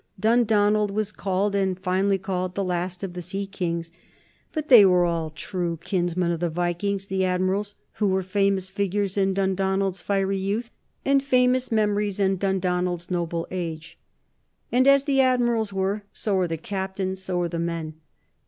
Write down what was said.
Dundonald was called, and finely called, the last of the sea kings; but they were all true kinsmen of the Vikings, the admirals who were famous figures in Dundonald's fiery youth and famous memories in Dundonald's noble age. And as the admirals were, so were the captains, so were the men.